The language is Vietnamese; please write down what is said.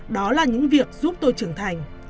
đó là những việc giúp tôi trưởng thành